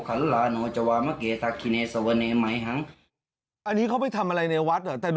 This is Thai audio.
คือจะบอกว่าสวดชีนปัญชรก็ช่วยเลิศนี่